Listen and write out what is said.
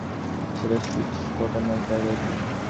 মেয়েটি খুব যত্ন করে তুলা দিয়ে মুছে দিচ্ছিল সুচ ফোটানোর জায়গাটি।